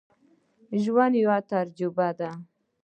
ژوند یوه تجربه ده.